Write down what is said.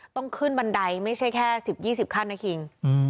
ต้องขึ้นบันไดไม่ใช่แค่๑๐๒๐ขั้นนะคิง